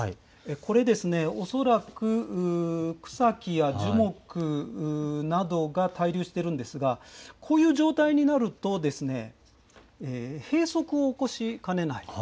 これですね、恐らく草木や樹木などが滞留しているんですが、こういう状態になると、閉塞を起こしかねない。